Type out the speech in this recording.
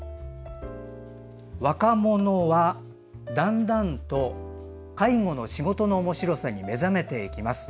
「若者は段々と介護の仕事の面白さに目覚めていきます」。